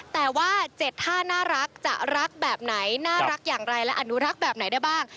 แต่ว่า๗ท่าน่ารักจะรักแบบไหนน่ารักอย่างไรและอนุรักษ์แบบไหนได้บ้าง